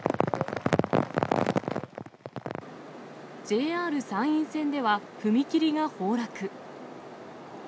ＪＲ山陰線では、踏切が崩落。